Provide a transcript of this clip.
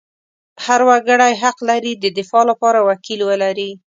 هر وګړی حق لري د دفاع لپاره وکیل ولري.